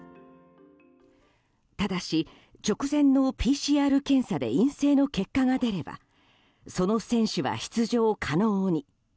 ただし、直前のＰＣＲ検査で陰性の結果が出ればその選手は出場可能に。